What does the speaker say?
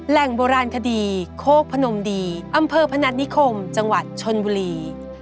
โบราณคดีโคกพนมดีอำเภอพนัฐนิคมจังหวัดชนบุรี